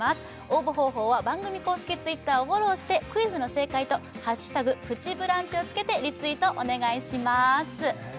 応募方法は番組公式Ｔｗｉｔｔｅｒをフォローしてクイズの正解と「＃プチブランチ」をつけてリツイートお願いします